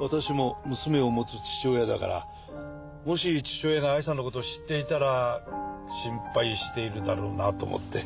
私も娘を持つ父親だからもし父親が藍さんのこと知っていたら心配しているだろうなと思って。